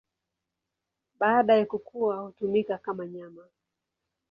Baada ya kukua hutumika kama nyama.